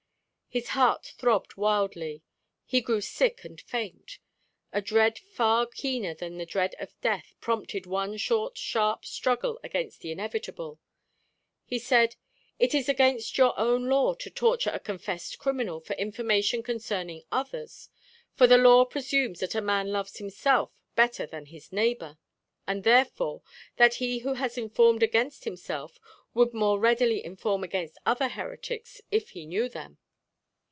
His heart throbbed wildly, then grew sick and faint. A dread far keener than the dread of death prompted one short sharp struggle against the inevitable. He said, "It is against your own law to torture a confessed criminal for information concerning others. For the law presumes that a man loves himself better than his neighbour; and, therefore, that he who has informed against himself would more readily inform against other heretics if he knew them."